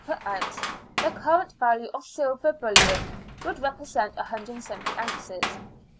per ounce, the current value of silver bullion, would represent 170 ounces.